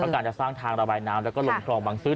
การจะสร้างทางระบายน้ำแล้วก็ลงคลองบังซื้อ